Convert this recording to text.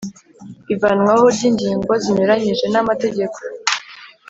Ivanwaho ryingingo zinyuranyije namategeko